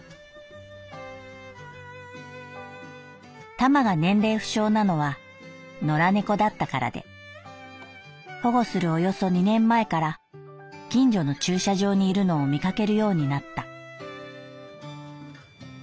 「タマが年齢不詳なのは野良猫だったからで保護するおよそ二年前から近所の駐車場にいるのを見かけるようになった」。